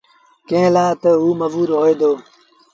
ڪݩهݩ لآ تا اوٚ مزوٚر هوئي دو